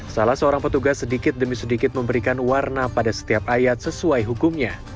salah seorang petugas sedikit demi sedikit memberikan warna pada setiap ayat sesuai hukumnya